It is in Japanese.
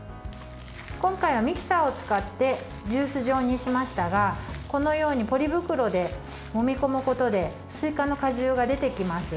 今回はミキサーを使ってジュース状にしましたがこのようにポリ袋でもみ込むことですいかの果汁が出てきます。